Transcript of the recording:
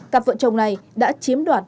cặp vợ chồng này đã chiếm đoạt